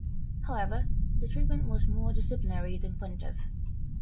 However, the treatment was more disciplinary than punitive.